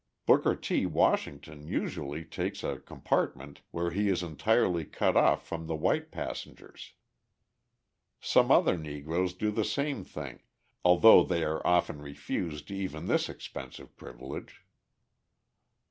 Booker T. Washington usually takes a compartment where he is entirely cut off from the white passengers. Some other Negroes do the same thing, although they are often refused even this expensive privilege.